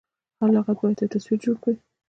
هر لغت باید یو تصویر جوړ کړي.